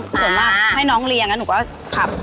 ส่วนมากให้น้องเรียนแล้วหนูก็ขับ